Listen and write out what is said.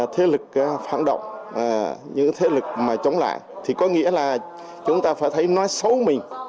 thế lực phản động những thế lực mà chống lại thì có nghĩa là chúng ta phải thấy nói xấu mình